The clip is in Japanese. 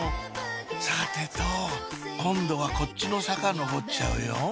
さてと今度はこっちの坂上っちゃうよ